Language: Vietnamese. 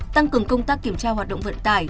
tăng cường công tác kiểm tra hoạt động vận tải